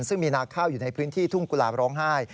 ซึ่งมีนาข้าวอยู่ในพื้นที่ทุ่งกุหลาบร้องไห้